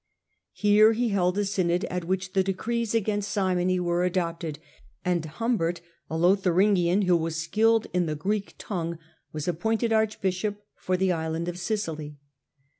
Here he held a synod at which the decrees against simony were adopted, and Humbert, a Lotharingian who was skilled in the Greek tongue, was appointed archbishop for the island of Sicily.